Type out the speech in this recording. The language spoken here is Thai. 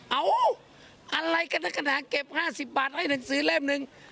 เอาอะไรกันในขณะเก็บ๕๐บาทให้หนังสือเล่มหนึ่ง